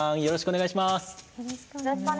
よろしくお願いします！